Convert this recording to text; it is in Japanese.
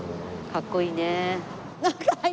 かっこいいね。